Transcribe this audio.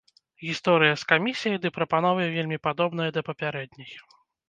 Гісторыя з камісіяй ды прапановай вельмі падобная да папярэдняй.